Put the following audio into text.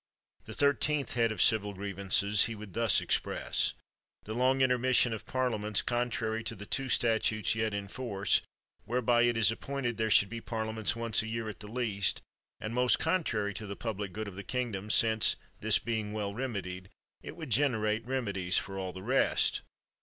The thirteenth head of civil grievances he would thus express : The long intermission of parliaments, contrary to the two statutes yet in force, whereby it is appointed there should be parliaments once a year, at the least; and 63 THE WORLD'S FAMOUS ORATIONS most contrary to the public good of the king dom, since, this being well remedied, it would generate remedies for all the rest.